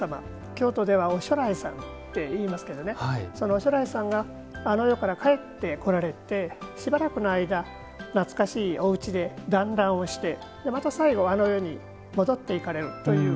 京都ではおしょらいさんといいますけどそのおしょらいさんが帰ってこられてしばらくの間、懐かしいおうちで団らんをして、最後あの世に戻っていかれるという。